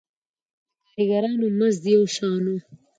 د کارګرانو مزد یو شان و.